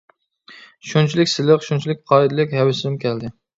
شۇنچىلىك سىلىق، شۇنچىلىك قائىدىلىك، ھەۋىسىم كەلدى.